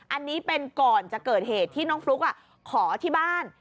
อันนี้เป็นก่อนจะเกิดเหตุที่น้องฟลุ๊กขอที่บ้าน